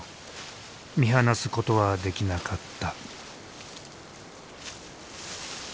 見放すことはできなかった。